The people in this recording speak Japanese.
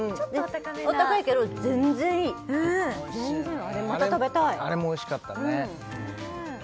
お高いけど全然いい全然あれまた食べたいあれもおいしかったね